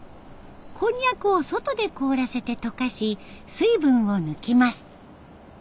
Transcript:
コンニャクを外で凍らせて溶かし水分を抜きます。